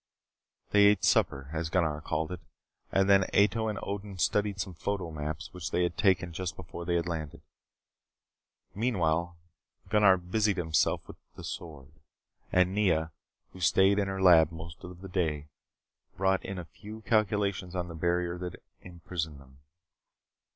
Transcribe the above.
They ate supper as Gunnar called it and then Ato and Odin studied some photo maps which they had taken just before they landed. Meanwhile, Gunnar busied himself with the sword. And Nea, who stayed in her lab most of the day, brought in a few calculations on the barrier that prisoned them.